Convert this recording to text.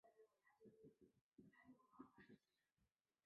热疗是一种将人的组织加热以达到治疗的效果的治疗方式。